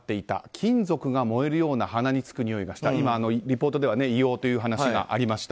金属が燃えるような鼻につくにおいがしたと今、リポートでは硫黄という話がありました。